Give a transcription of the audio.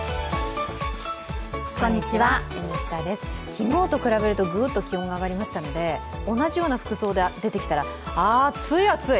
昨日と比べるとグッと気温が上がりましたので、同じような服装で出てきたら、暑い暑い。